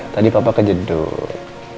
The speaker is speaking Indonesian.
tadi papa kejedut